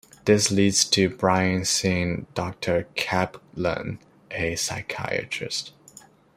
This leads to Brian seeing Doctor Kaplan, a psychiatrist.